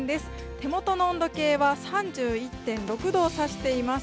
手元の温度計は３１．６度をさしています。